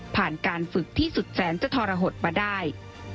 การฝึกที่สุดแสนจะทรหดมาได้